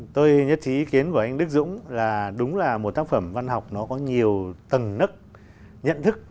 tôi nhất trí ý kiến của anh đức dũng là đúng là một tác phẩm văn học nó có nhiều tầng nức nhận thức